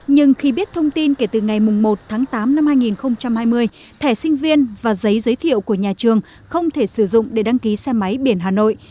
nhưng khi biết thông tin kể từ ngày một tháng tám năm hai nghìn hai mươi thẻ sinh viên và giấy giới thiệu của nhà trường không thể sử dụng để đăng ký xe máy biển hà nội